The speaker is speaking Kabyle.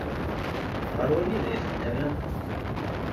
Ɣer wanida i ten-terram?